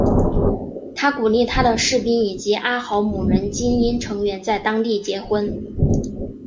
他鼓励他的士兵以及阿豪姆人精英成员在当地结婚。